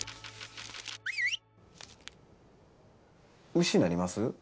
うしになります？